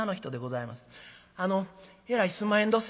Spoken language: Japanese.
「あのえらいすんまへんどす。